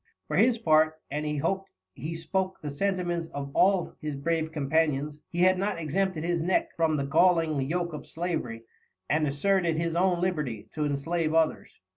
For his Part, and he hop'd he spoke the Sentiments of all his brave Companions, he had not exempted his Neck from the galling Yoak of Slavery, and asserted his own Liberty, to enslave others.